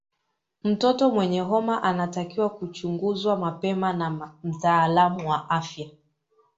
mtoto mwenye homa anatakiwa kuchunguzwa mapema na mtaalamu wa afya